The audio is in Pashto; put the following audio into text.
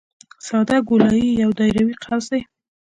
ساده ګولایي یو دایروي قوس دی